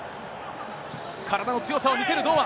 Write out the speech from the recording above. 体の強さを見せる堂安。